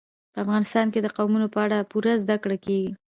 په افغانستان کې د قومونه په اړه پوره زده کړه کېږي.